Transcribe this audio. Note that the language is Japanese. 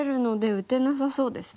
打てなさそうですね。